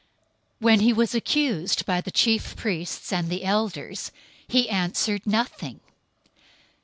027:012 When he was accused by the chief priests and elders, he answered nothing.